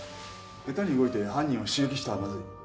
下手に動いて犯人を刺激したらまずい。